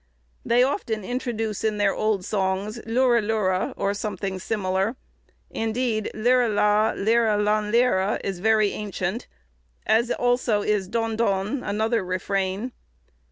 They often introduce in their old songs "Lurelure," or something similar; indeed "Leire la, Leire lanleire," is very ancient, as also is "Dondon," another refrain.